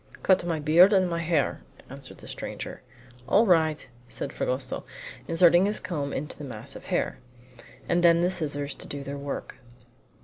"Cut my beard and my hair," answered the stranger. "All right!" said Fragoso, inserting his comb into the mass of hair. And then the scissors to do their work.